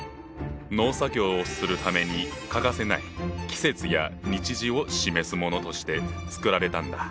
農作業をするために欠かせない季節や日時を示すものとして作られたんだ。